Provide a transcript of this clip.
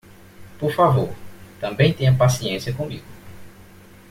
Por favor, também tenha paciência comigo.